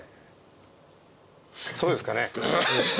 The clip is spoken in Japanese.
そうですかね。